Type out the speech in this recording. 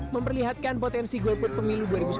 memperlihatkan potensi golput pemilu dua ribu sembilan belas